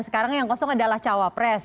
sekarang yang kosong adalah cawapres